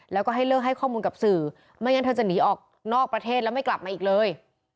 แล้วก็ให้เลิกให้ข้อมูลกับสื่อไม่งั้นเธอจะหนีออกนอกประเทศแล้วไม่กลับมาอีกเลย